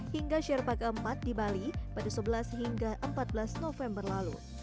hingga sherpa keempat di bali pada sebelas hingga empat belas november lalu